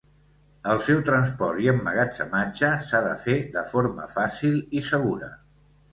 El seu transport i emmagatzematge s'ha de fer de forma fàcil i segura.